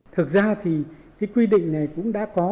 thực ra thì quy định này cũng đã có